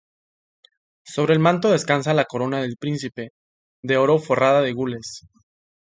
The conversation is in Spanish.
Sobre el manto descansa la corona del príncipe, de oro forrada de gules.